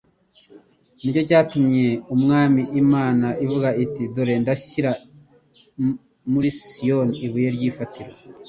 «Ni cyo cyatumye Umwami Imana ivuga iti: Dore ndashyira muri Sioni ibuye ry'urufatiro,